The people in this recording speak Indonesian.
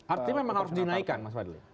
artinya memang harus dinaikkan mas fadli